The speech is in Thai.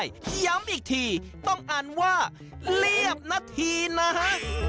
ย้ำอีกทีต้องอ่านว่าเรียบนาทีนะฮะ